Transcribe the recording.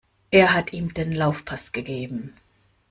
Er hat ihm den Laufpass gegeben.